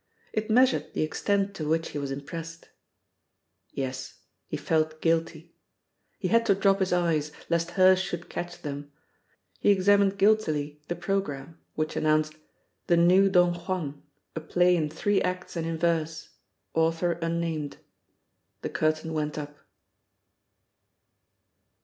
It measured the extent to which he was impressed. Yes, he felt guilty. He had to drop his eyes, lest hers should catch them. He examined guiltily the programme, which announced "The New Don Juan," a play "in three acts and in verse" author unnamed. The curtain went up.